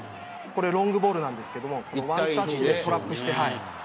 これ、ロングボールなんですけど１タッチでトラップして。